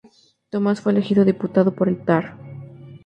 Thomas fue elegido diputado por el Tarn.